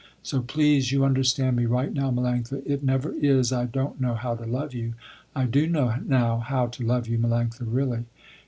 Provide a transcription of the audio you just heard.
So please you understand me right now Melanctha, it never is I don't know how to love you. I do know now how to love you, Melanctha, really.